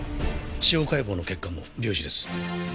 司法解剖の結果も病死です。